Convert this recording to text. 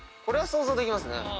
これは想像できますね。